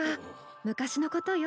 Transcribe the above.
昔のことよ。